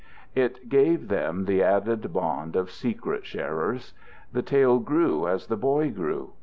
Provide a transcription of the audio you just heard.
It gave them the added bond of secret sharers. The tale grew as the boy grew.